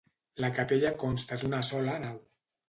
La capella consta d'una sola nau.